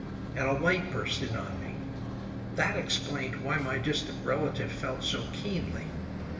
And a light burst in on me. That explained why my distant relative felt so keenly.